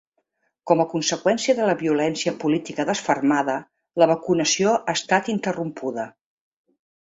Com a conseqüència de la violència política desfermada, la vacunació ha estat interrompuda.